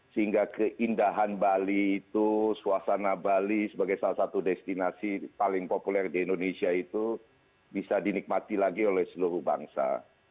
sehingga keindahan bali itu suasana bali sebagai salah satu destinasi paling populer di indonesia itu bisa dinikmati lagi oleh seluruh bangsa